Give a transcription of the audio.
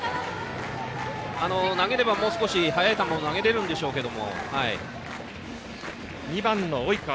投げれば、もう少し速い球を投げれるんでしょうけど。